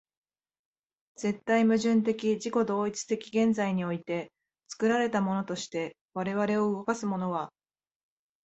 絶対矛盾的自己同一的現在において、作られたものとして我々を動かすものは、